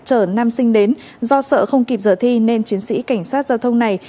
chở nam sinh đến do sợ không kịp giờ thi nên chiến sĩ cảnh sát giao thông này